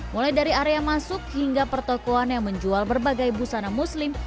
mulai dari area masuk hingga pertokohan yang menjual berbagai busana muslim